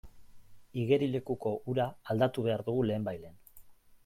Igerilekuko ura aldatu behar dugu lehenbailehen.